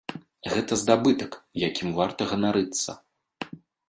Гэта здабытак, якім варта ганарыцца.